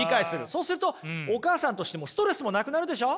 そうするとお母さんとしてもストレスもなくなるでしょ？